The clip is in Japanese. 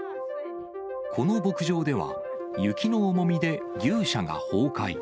この牧場では、雪の重みで牛舎が崩壊。